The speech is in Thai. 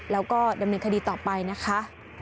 แล้วก็ดำเนินคดีต่อไปนะคะ